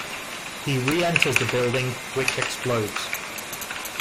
He re-enters the building, which explodes.